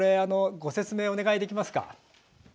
ご説明お願いできますか。